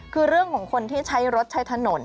คือเรื่องของคนที่ใช้รถใช้ถนน